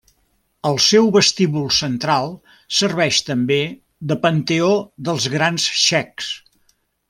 El seu vestíbul central serveix també de panteó dels grans txecs.